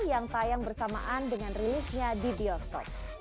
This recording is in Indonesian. yang tayang bersamaan dengan rilisnya di bioskop